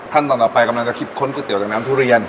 ขั้นตอนต่อไปกำลังจะคิดค้นก๋วเตี๋จากน้ำทุเรียน